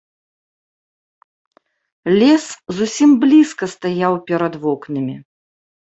Лес зусім блізка стаяў перад вокнамі.